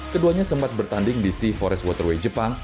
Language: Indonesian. keduanya sempat bertanding di sea forest waterway jepang